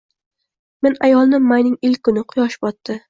Men ayolni mayning ilk kuni- quyosh botdi.